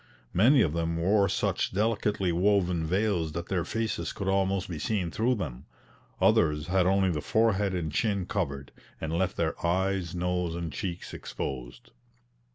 Many of them wore such delicately woven veils that their faces could almost be seen through them: others had only the forehead and chin covered, and left their eyes, nose, and cheeks exposed.